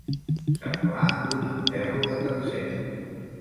Semblar un enterro de tercera.